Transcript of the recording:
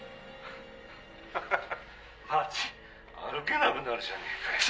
「ハハハ町歩けなくなるじゃねぇかよ！」